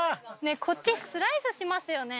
こっちスライスしますよね？